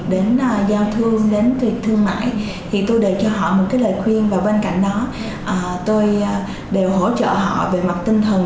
đến giao thương đến thương mại thì tôi đề cho họ một lời khuyên và bên cạnh đó tôi đều hỗ trợ họ về mặt tinh thần